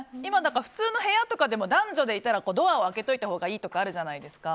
普通の部屋でも男女でいたらドアを開けておいたほうがいいとかあるじゃないですか。